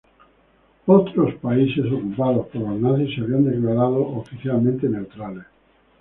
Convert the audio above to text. Otros países ocupados por los nazis se habían declarado oficialmente neutrales.